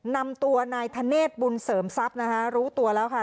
นำตัวนายธเนธบุญเสริมทรัพย์นะคะรู้ตัวแล้วค่ะ